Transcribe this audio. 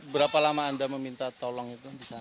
berapa lama anda meminta tolong itu